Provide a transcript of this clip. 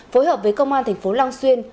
phối hợp với công an tỉnh phú long xuyên